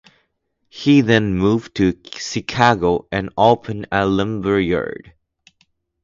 He then moved to Chicago and opened a lumber yard.